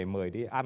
mời đi ăn